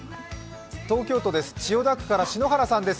東京都です、千代田区から篠原さんです。